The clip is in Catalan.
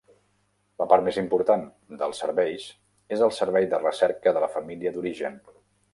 La part més important dels serveis és el servei de recerca de la família d'origen.